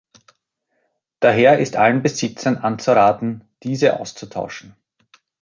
Daher ist allen Besitzern anzuraten, diese auszutauschen.